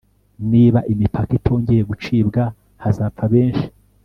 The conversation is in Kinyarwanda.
niba imipaka itongeye gucibwa hazapfa benshi